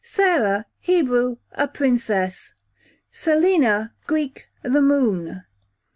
Sarah, Hebrew, a princess. Selina, Greek, the moon.